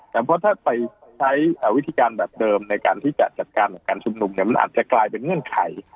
แต่เพราะถ้าไปใช้วิธีการแบบเดิมในการที่จะจัดการการชุมนุมเนี่ยมันอาจจะกลายเป็นเงื่อนไข